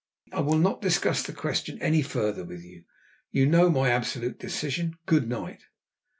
"I will not discuss the question any further with you. You know my absolute decision. Good night!"